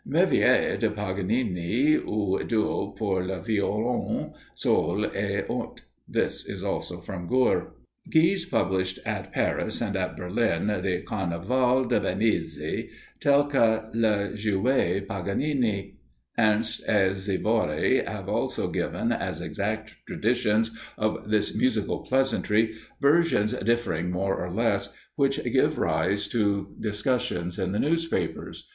"Merveille de Paganini, ou duo pour le Violon seul en ut." This is also from Guhr. Ghys published at Paris and at Berlin the "Carnaval de Venise, tel que le jouait Paganini." Ernst and Sivori have also given, as exact traditions of this musical pleasantry, versions differing more or less, which gave rise to discussions in the newspapers.